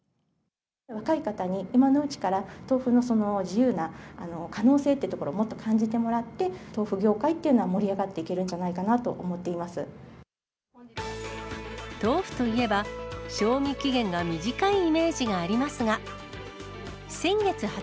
若い方に、今のうちから豆腐の自由な可能性というところをもっと感じてもらって、豆腐業界っていうのが盛り上がっていけるんじゃないかなと思って豆腐といえば、賞味期限が短いイメージがありますが。